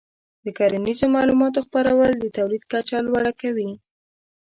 د کرنیزو معلوماتو خپرول د تولید کچه لوړه کوي.